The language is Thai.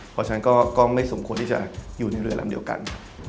เพราะฉะนั้นก็ไม่สมควรที่จะอยู่ในเรือลำเดียวกัน